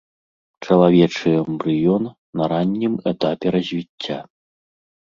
Чалавечы эмбрыён на раннім этапе развіцця.